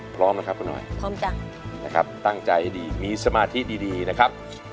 พร้อมนะครับคุณหน่อยพร้อมจ้ะนะครับตั้งใจให้ดีมีสมาธิดีนะครับ